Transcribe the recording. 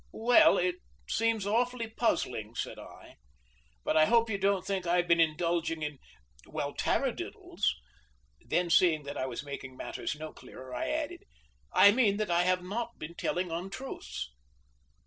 "Well, it seems awfully puzzling," said I; "but I hope you don't think I have been indulging in well, tarradiddles." Then, seeing that I was making matters no clearer, I added: "I mean that I have not been telling untruths."